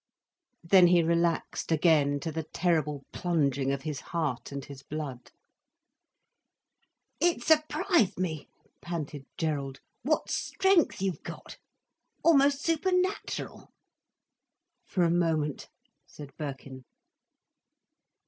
Then he relaxed again to the terrible plunging of his heart and his blood. "It surprised me," panted Gerald, "what strength you've got. Almost supernatural." "For a moment," said Birkin.